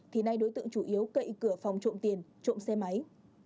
thì nay đối tượng chủ yếu cậy cửa phòng trộm tiền trộm xe máy